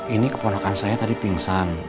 ini keponakan saya tadi pingsan